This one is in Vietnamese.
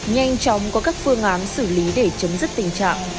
nhanh chóng có các phương án xử lý để chấm dứt tình trạng